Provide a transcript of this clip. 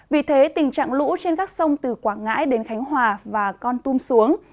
vì thế tình trạng lũ trên các sông từ quảng ngãi đến khánh hòa và con tum xuống